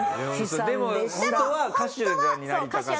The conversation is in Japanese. でもホントは歌手になりたかった。